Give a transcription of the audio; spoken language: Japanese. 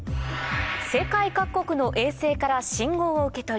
世界各国の衛星から信号を受け取り